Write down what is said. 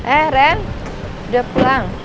eh ren udah pulang